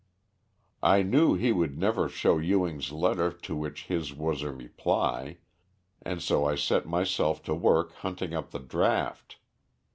I knew he would never show Ewing's letter to which his was a reply, and so I set myself to work hunting up the draft.